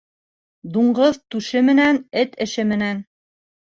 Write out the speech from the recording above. Дуңғыҙ түше менән, эт ише менән.